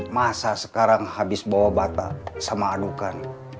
masa sekarang habis bawa bata sama adukan